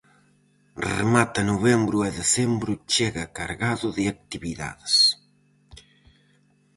Remata novembro e decembro chega cargado de actividades.